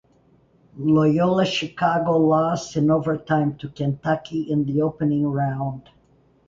Loyola Chicago lost in overtime to Kentucky in the opening round.